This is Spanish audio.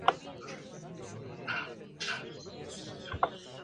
Actualmente se dedica a la representación de futbolistas.